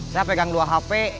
saya pegang dua hp